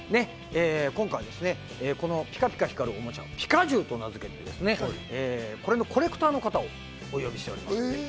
今回はピカピカ光るおもちゃ、ピカ銃と名付けて、これのコレクターの方をお呼びしております。